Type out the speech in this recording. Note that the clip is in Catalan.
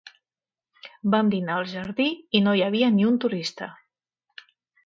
Vam dinar al jardí i no hi havia ni un turista!